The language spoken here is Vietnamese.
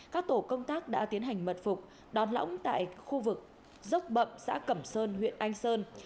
các tổ công tác đã tiến hành mật phục đón lõng tại khu vực dốc bậm xã cẩm sơn huyện anh sơn